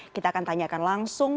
kita akan tanyakan langsung